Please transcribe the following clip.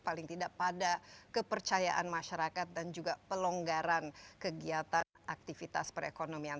paling tidak pada kepercayaan masyarakat dan juga pelonggaran kegiatan aktivitas perekonomian